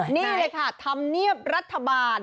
นี่เลยค่ะธรรมเนียบรัฐบาล